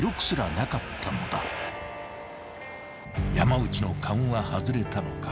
［山内の勘は外れたのか？］